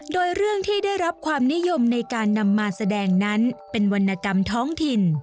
โดยเรื่องที่ได้รับความนิยมในการนำมาแสดงนั้นเป็นวรรณกรรมท้องถิ่น